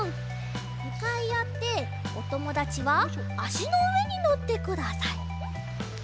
むかいあっておともだちはあしのうえにのってください。